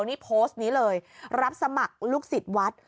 นี่โพสต์นี้เลยรับสมัครลูกศิษย์วัด